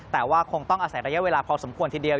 แต่ว่าคงต้องอาศัยระยะเวลาพอสมควรทีเดียว